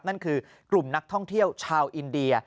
นั่นคือกลุ่มนักท่องเที่ยวชาวอินเดีย